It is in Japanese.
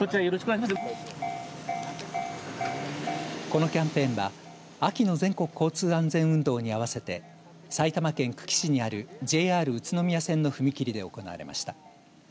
このキャンペーンは秋の全国交通安全運動に合わせて埼玉県久喜市にあるＪＲ宇都宮線の踏切で行われました。